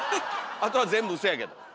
あとは全部ウソやけど。